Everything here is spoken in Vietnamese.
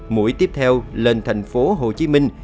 mũi tiếp theo lên thành phố hồ chí minh